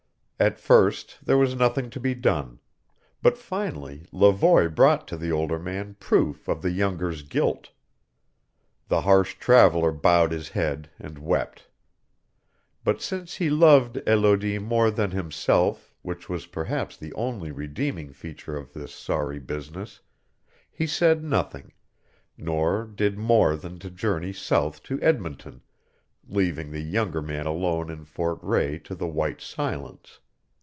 At first there was nothing to be done; but finally Levoy brought to the older man proof of the younger's guilt. The harsh traveller bowed his head and wept. But since he loved Elodie more than himself which was perhaps the only redeeming feature of this sorry business he said nothing, nor did more than to journey south to Edmonton, leaving the younger man alone in Fort Rae to the White Silence.